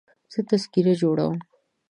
زه تذکره جوړوم.